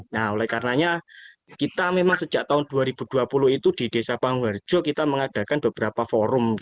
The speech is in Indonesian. nah oleh karenanya kita memang sejak tahun dua ribu dua puluh itu di desa panggung harjo kita mengadakan beberapa forum